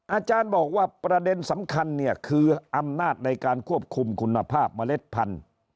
อาจารย์บอกว่าประเด็นสำคัญเนี่ยคืออำนาจในการควบคุมคุณภาพเมล็ดพันธุ์